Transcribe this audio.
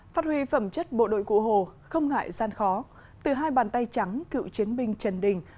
phát huy phẩm chất bộ đội cụ hồ không ngại gian khó từ hai bàn tay trắng cựu chiến binh trần đình